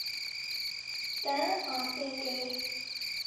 Te asê kir.